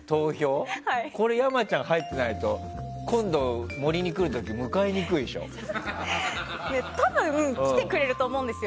これ、山ちゃん入ってないと今度、「森」に来るときに多分来てくれると思うんですよ。